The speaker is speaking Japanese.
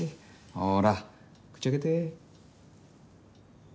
ほら口開けて。